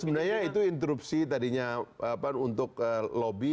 sebenarnya itu interupsi tadinya untuk lobby